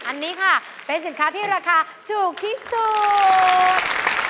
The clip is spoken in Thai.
อันนี้ค่ะเป็นสินค้าที่ราคาถูกที่สุด